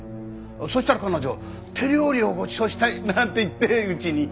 そしたら彼女手料理をごちそうしたいなんて言って家に。